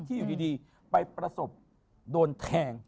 อยู่ดีไปประสบโดนแทง